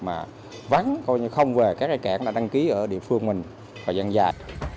mà vắng không về các rạch cản là đăng ký ở địa phương mình hoặc dàn dài